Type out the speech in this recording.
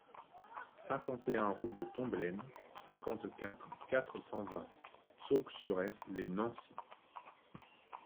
cinquante et un rue de Tomblaine, cinquante-quatre, quatre cent vingt, Saulxures-lès-Nancy